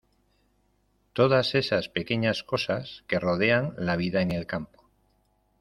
Todas esas pequeñas cosas que rodean la vida en el campo.